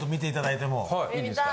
いいですか？